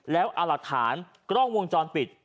แล้วอลักษณ์กล้องวงจรปิด